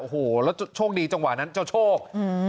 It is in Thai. โอ้โหแล้วโชคดีจังหวะนั้นเจ้าโชคอืม